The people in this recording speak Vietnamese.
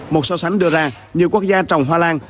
một so sánh đưa ra nhiều quốc gia trồng hoa lan